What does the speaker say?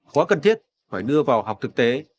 khóa cần thiết phải đưa vào học thực tế